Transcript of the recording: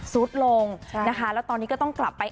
สุดลงนะคะแล้วตอนนี้ก็ต้องกลับไป